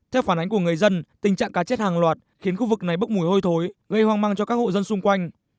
theo phản ánh của người dân tình trạng cá chết hàng loạt khiến khu vực này bốc mùi hôi thối gây hoang mang cho các hộ dân xung quanh